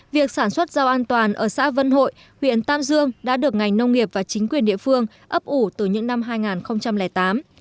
việc sản xuất rau an toàn ở xã vân hội huyện tam dương đã được ngành nông nghiệp và chính quyền địa phương ấp ủ từ những năm hai nghìn tám